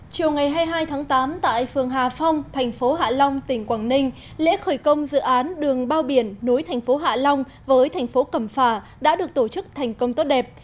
chiều ngày hai mươi hai tháng tám tại phường hà phong thành phố hạ long tỉnh quảng ninh lễ khởi công dự án đường bao biển nối thành phố hạ long với thành phố cẩm phà đã được tổ chức thành công tốt đẹp